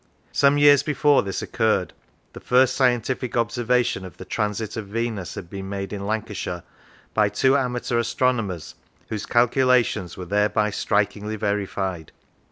Some years before this occurred, the first scientific obser vation of the Transit of Venus had been made in Lancashire, by two amateur astronomers whose cal culations were thereby strikingly verified.